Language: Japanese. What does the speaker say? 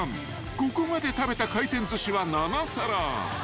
［ここまで食べた回転寿司は７皿］